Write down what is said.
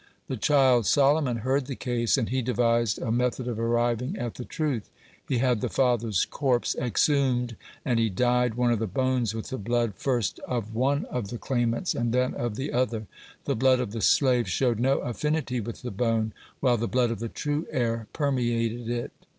The child Solomon heard the case, and he devised a method of arriving at the truth. He had the father's corpse exhumed, and he dyed one of the bones with the blood first of one of the claimants, and then of the other. The blood of the slave showed no affinity with the bone, while the blood of the true heir permeated it.